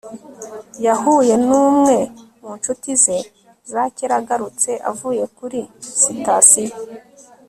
yahuye numwe mu nshuti ze za kera agarutse avuye kuri sitasiyo